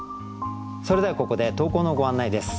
それではここで投稿のご案内です。